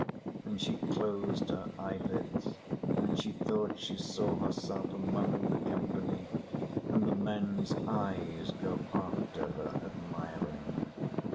And she closed her eyelids, and she thought she saw herself among the company and the men's eyes go after her admiring.